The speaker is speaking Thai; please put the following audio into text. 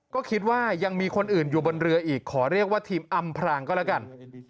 ก็คิดว่ายังมีคนอื่นอยู่บนเรืออีกขอเรียกว่าทีมอำพรางก็แล้วกัน